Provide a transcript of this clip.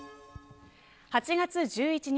８月１１日